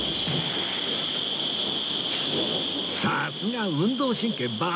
さすが運動神経抜群！